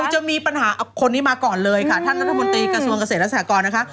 จะมีปัญหาคนนี้มาก่อนเลยค่ะท่านรัฐมนตรีกระทรวงเกษตรและสหกรนะคะ